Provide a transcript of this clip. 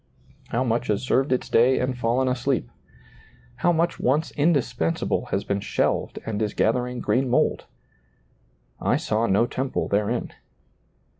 how much has served its day and fallen asleep ! how much once indispensable has been shelved and is gathering green mold !" I saw no temple therein."